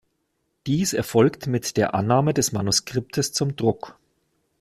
Dies erfolgt mit der Annahme des Manuskriptes zum Druck.